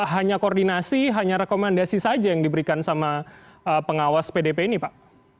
hanya koordinasi hanya rekomendasi saja yang diberikan sama pengawas pdp ini pak